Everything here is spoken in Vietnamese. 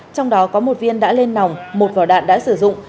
trong đó có một viên đã lên nòng một vỏ đạn đã sử dụng